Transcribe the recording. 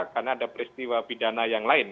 karena ada peristiwa pidana yang lain